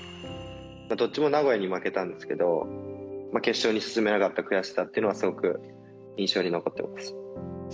どっちも名古屋に負けたんですけど、決勝に進めなかった悔しさっていうのは、すごく印象に残ってます。